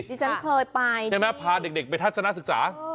ที่ฉันเคยไปใช่ไหมพาเด็กไปทัศนศึกษา